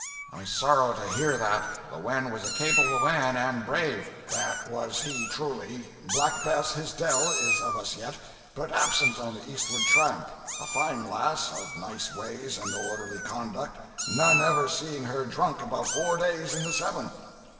"I sorrow to hear that; the Wen was a capable man, and brave." "That was he, truly. Black Bess, his dell, is of us yet, but absent on the eastward tramp; a fine lass, of nice ways and orderly conduct, none ever seeing her drunk above four days in the seven."